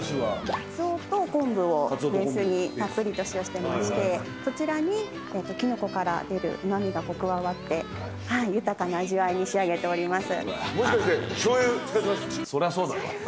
カツオと昆布をベースにたっぷりと使用してましてそちらにきのこから出るうま味が加わって豊かな味わいに仕上げております。